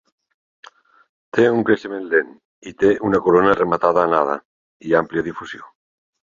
Té un creixement lent i té una corona rematada anada i àmplia difusió.